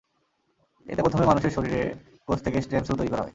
এতে প্রথমে মানুষের শরীরের কোষ থেকে স্টেম সেল তৈরি করা হয়।